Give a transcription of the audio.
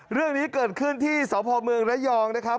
เรื่องนี้เกิดขึ้นที่สพเมืองระยองนะครับ